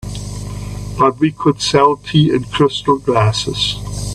But we could sell tea in crystal glasses.